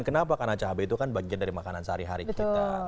kenapa karena cabai itu kan bagian dari makanan sehari hari kita